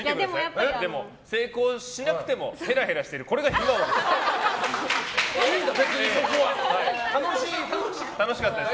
でも成功しなくてもへらへらしてるこれが暇王です。